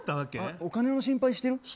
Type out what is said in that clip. お金の心配してる？